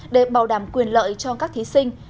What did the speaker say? để bảo đảm quyền lợi cho các thí sinh